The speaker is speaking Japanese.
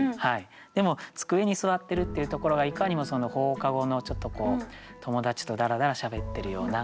でも机に座ってるっていうところがいかにも放課後の友達とだらだらしゃべってるようなというね。